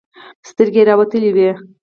سترګې يې راوتلې وې.